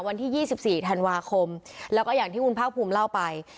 วันที่๒๔ธันวาคมแล้วก็อย่างที่คุณภาคภูมิเล่าไป